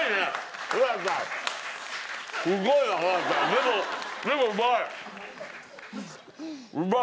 でもでもうまい！